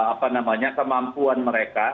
apa namanya kemampuan mereka